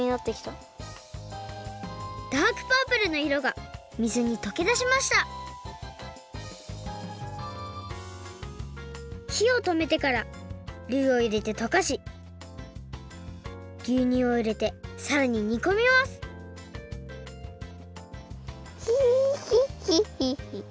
ダークパープルのいろが水にとけだしましたひをとめてからルーをいれてとかしぎゅうにゅうをいれてさらににこみますヒヒッヒッヒッヒ。